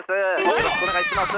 よろしくお願いします。